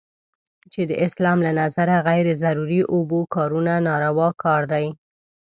چې د اسلام له نظره غیر ضروري اوبو کارونه ناروا کار دی.